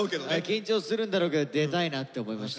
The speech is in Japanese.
緊張するんだろうけど出たいなって思いました。